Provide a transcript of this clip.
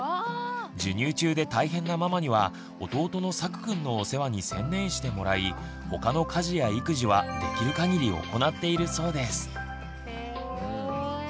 授乳中で大変なママには弟のさくくんのお世話に専念してもらい他の家事や育児はできるかぎり行っているそうです。